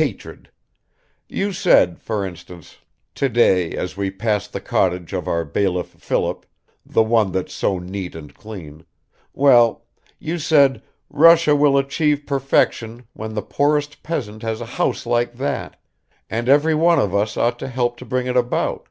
Hatred! You said, for instance, today as we passed the cottage of our bailiff Philip the one that's so neat and clean well, you said, Russia will achieve perfection when the poorest peasant has a house like that, and every one of us ought to help to bring it about